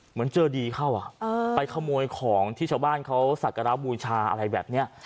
เหมือนเจอดีเข้าไปขโมยของที่ชาวบ้านเขาสักการะบูชาอะไรแบบนี้